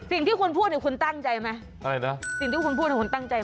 สิ่งที่คุณพูดเดี๋ยวคุณตั้งใจไหมน่ะสิ่งที่คุณพูดดังแป๊บคุณตั้งใจมั้ย